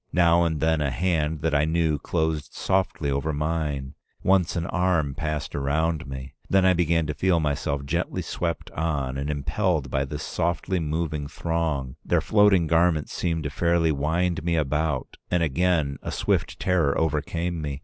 Now and then a hand that I knew closed softly over mine; once an arm passed around me. Then I began to feel myself gently swept on and impelled by this softly moving throng; their floating garments seemed to fairly wind me about, and again a swift terror overcame me.